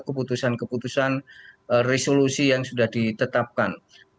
keputusan keputusan resolusi yang sudah ditetapkan